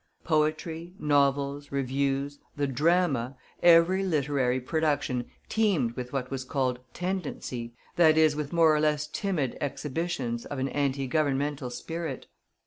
Poetry, novels, reviews, the drama, every literary production teemed with what was called "tendency," that is with more or less timid exhibitions of an anti governmental spirit.